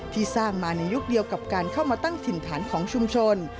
ที่สร้างมาในยุคเดียวกับการเข้ามาตั้งถิ่นฐานของชุมชน